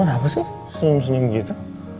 apaan apa sih senyum senyum gitu